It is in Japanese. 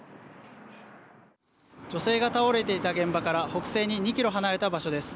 女性が倒れていた現場から北西に２キロ離れた場所です。